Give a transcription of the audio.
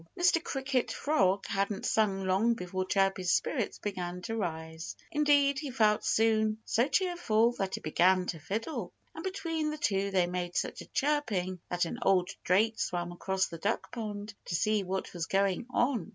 Mr. Cricket Frog hadn't sung long before Chirpy's spirits began to rise. Indeed, he soon felt so cheerful that he began to fiddle. And between the two they made such a chirping that an old drake swam across the duck pond to see what was going on.